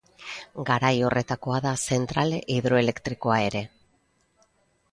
Garai horretakoa da zentrale hidroelektrikoa ere.